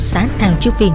xã thàng trương phìn